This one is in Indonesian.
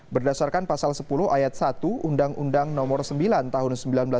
berdasarkan pasal sepuluh ayat satu undang undang nomor sembilan tahun seribu sembilan ratus sembilan puluh